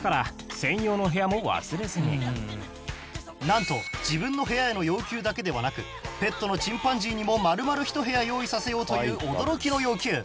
なんと自分の部屋への要求だけではなくペットのチンパンジーにも丸々１部屋用意させようという驚きの要求。